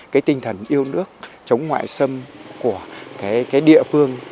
cái tinh thần yêu nước chống ngoại xâm của cái địa phương